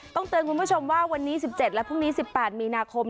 ต้องเตือนคุณผู้ชมว่าวันนี้๑๗และพรุ่งนี้๑๘มีนาคม